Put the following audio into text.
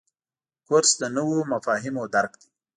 کورس د نویو مفاهیمو درک دی.